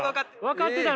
分かってた。